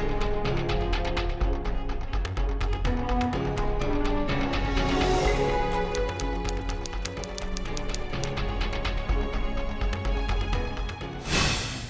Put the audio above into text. jadi kita harus mencari perlindungan anak